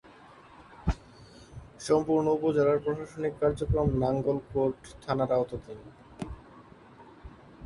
সম্পূর্ণ উপজেলার প্রশাসনিক কার্যক্রম নাঙ্গলকোট থানার আওতাধীন।